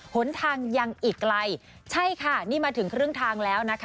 หนทางยังอีกไกลใช่ค่ะนี่มาถึงครึ่งทางแล้วนะคะ